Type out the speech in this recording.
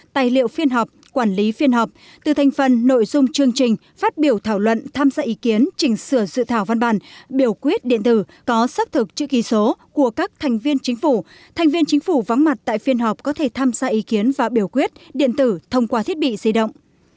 thành viên chính phủ vắng mặt tại phiên họp có thể tham gia ý kiến và biểu quyết điện tử thông qua thiết bị di động